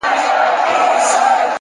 هره پرېکړه د راتلونکي لوری ټاکي,